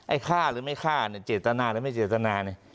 ฆ่าหรือไม่ฆ่าเนี่ยเจตนาหรือไม่เจตนาเนี่ย